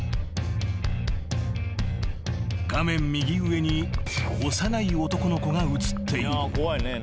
［画面右上に幼い男の子が写っている］